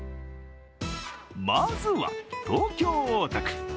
まずは東京・大田区。